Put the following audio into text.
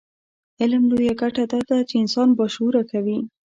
علم لویه ګټه دا ده چې انسان باشعوره کوي.